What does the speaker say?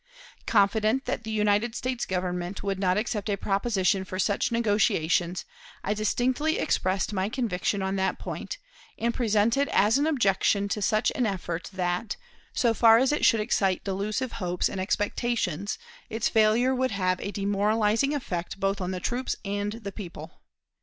Confident that the United States Government would not accept a proposition for such negotiations, I distinctly expressed My conviction on that point, and presented as an objection to such an effort that, so far as it should excite delusive hopes and expectations, its failure would have a demoralizing effect both on the troops and the people.